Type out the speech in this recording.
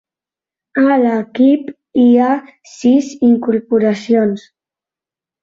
A l'equip hi ha sis incorporacions.